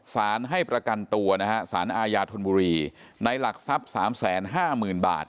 สารให้ประกันตัวนะฮะสารอาญาธนบุรีในหลักทรัพย์๓๕๐๐๐บาท